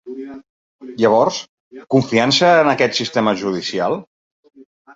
Llavors, confiança en aquest sistema judicial?